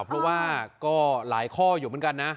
เพราะว่าก็หลายข้ออยู่เหมือนกันนะ